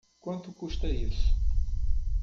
Quanto custa isso?